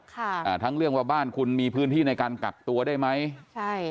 อ่าทั้งเรื่องว่าบ้านคุณมีพื้นที่ในการกักตัวได้ไหมใช่